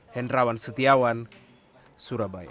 hendrawan setiawan surabaya